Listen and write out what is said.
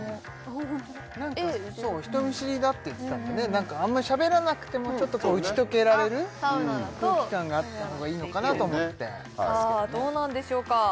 ホントだ人見知りだって言ってたんであんまりしゃべらなくてもちょっと打ち解けられる空気感があった方がいいのかなと思ってさあどうなんでしょうか